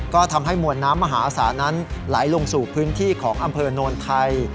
ก็ทำให้มวลน้ำมหาศาลนั้นไหลลงสู่พื้นที่ของอำเภอโนนไทย